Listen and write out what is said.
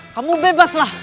kamu bebas lah